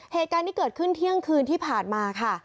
เหตุการณ์ที่เกิดขึ้นเที่ยงคืนที่ผ่านมาค่ะ